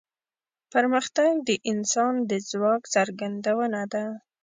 پرمختګ د انسان د ځواک څرګندونه ده.